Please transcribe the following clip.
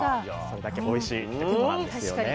それだけおいしいってことなんですよね。